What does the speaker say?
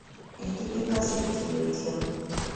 Endiga enkazi eyitibwa etya?